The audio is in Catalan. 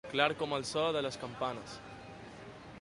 Clar com el so de les campanes.